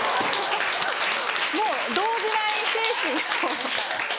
もう動じない精神を。